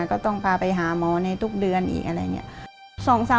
ก็ต้องพาไปหาหมอในทุกเดือนอีกอะไรอย่างนี้